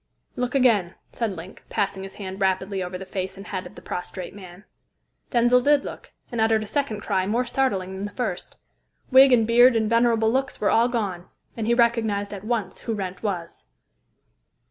"Look again," said Link, passing his hand rapidly over the face and head of the prostrate man. Denzil did look, and uttered a second cry more startling than the first. Wig and beard and venerable looks were all gone, and he recognised at once who Wrent was.